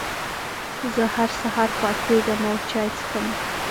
زه هر سهار پاڅېږم او چای څښم.